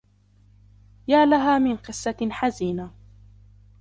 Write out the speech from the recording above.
يا لها من قصّةٍ حزينة.